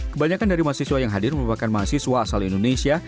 kebanyakan dari mahasiswa yang hadir merupakan mahasiswa asal indonesia